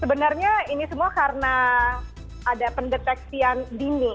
sebenarnya ini semua karena ada pendeteksian dini